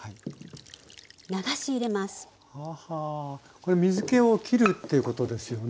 これ水けをきるっていうことですよね。